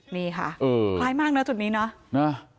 นี่ค่ะคล้ายมากนะจุดนี้เนอะ